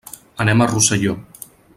Anem a Rosselló.